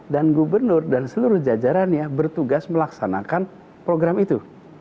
dan gubernur dan seluruh jajarannya bertugas melaksanakan program itu